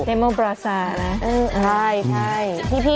เทมโมบราซาใช่